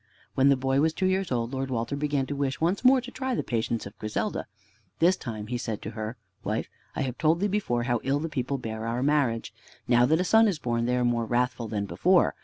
When the boy was two years old, Lord Walter began to wish once more to try the patience of Griselda. This time he said to her: "Wife, I have told thee before how ill the people bear our marriage. Now that a son is born they are more wrathful than before.